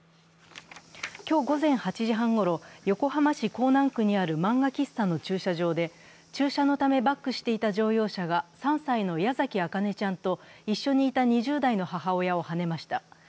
今日午前８時ごろ、横浜市港南区にある漫画喫茶の駐車場で駐車のためバックしていた乗用車が３歳の矢崎茜ちゃんと一緒にいた２０代の母親をはねました。